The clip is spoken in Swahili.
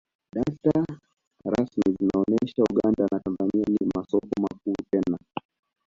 Data rasmi zinaonesha Uganda na Tanzania si masoko makuu tena